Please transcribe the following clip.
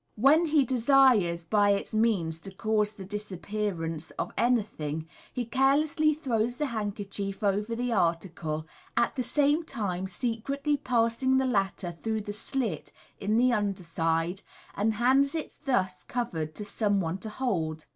When he desires by its means to cause the disappearance of anything, he carelessly throws the handkerchief over the article, at the same time secretly passing the latter through the slit in the under side, and hands it thus covered to some one to hold.